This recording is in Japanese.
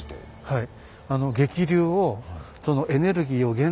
はい。